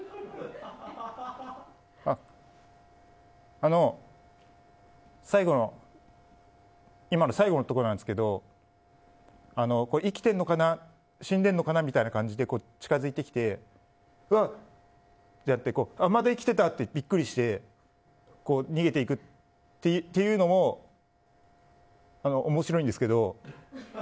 あの、最後の今の最後のところなんですけど生きてるのかな死んでるのかなみたいな感じで近づいてきて「うわ、まだ生きてた！」ってビックリして逃げていくっていうのが面白いんですけど。